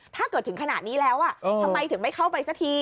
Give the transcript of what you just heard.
ถ้าเกิดถึงขนาดนี้แล้วทำไมถึงไม่เข้าไปสักที